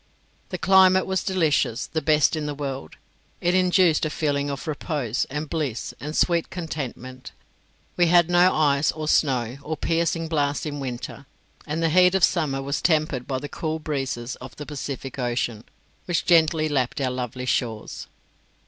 The climate was delicious, the best in the world; it induced a feeling of repose, and bliss, and sweet contentment. We had no ice or snow, or piercing blasts in winter; and the heat of summer was tempered by the cool breezes of the Pacific Ocean, which gently lapped our lovely shores.